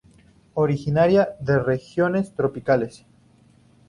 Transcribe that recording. Originaria de regiones tropicales.